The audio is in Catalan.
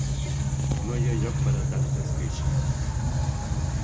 No hi ha lloc per a tantes queixes.